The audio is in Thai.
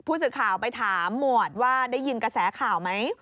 ผู้สื่อข่าวไปถามหมวดว่าได้ยินกระแสข่าวไหม